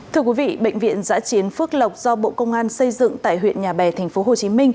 thưa quý vị bệnh viện giã chiến phước lộc do bộ công an xây dựng tại huyện nhà bè tp hcm